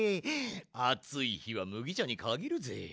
あついひはむぎちゃにかぎるぜ。